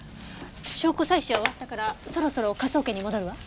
証拠採取は終わったからそろそろ科捜研に戻るわ。